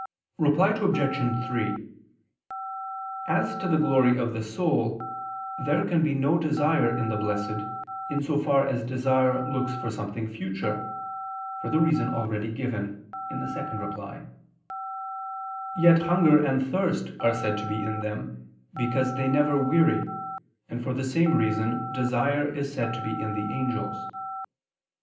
Reply Obj. 3: As to the glory of the soul, there can be no desire in the Blessed, in so far as desire looks for something future, for the reason already given (ad 2). Yet hunger and thirst are said to be in them because they never weary, and for the same reason desire is said to be in the angels.